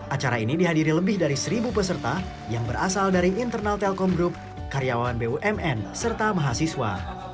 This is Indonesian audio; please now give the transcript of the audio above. acara ini dihadiri lebih dari seribu peserta yang berasal dari internal telkom group karyawan bumn serta mahasiswa